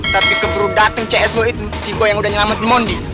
tapi keberudatan cs lo itu si boy yang udah nyelamatin mondi